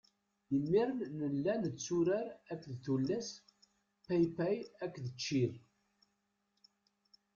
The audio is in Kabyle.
Imir-n nella netturar akked tullas paypay akked ččir.